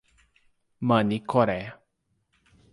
Manicoré